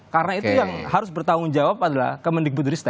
karena itu yang harus bertanggung jawab adalah ke mendikbud ristek